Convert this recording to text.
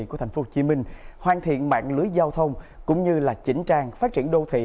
của tp hcm hoàn thiện mạng lưới giao thông cũng như là chỉnh trang phát triển đô thị